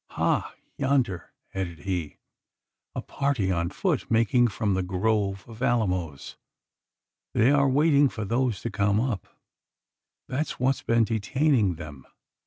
"Ha, yonder!" added he, "a party on foot making from the grove of alamos! They are waiting for those to come up that's what's been detaining them.